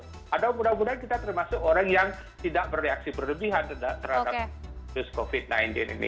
jadi mudah mudahan kita termasuk orang yang tidak bereaksi berlebihan terhadap virus covid sembilan belas ini